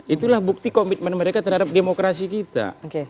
itulah bukti komitmen mereka terhadap demokrasi kita